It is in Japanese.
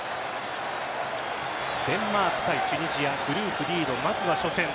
デンマーク対チュニジアグループＤのまずは初戦。